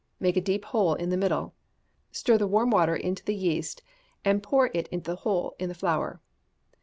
Make a deep hole in the middle. Stir the warm water into the yeast, and pour it into the hole in the flour.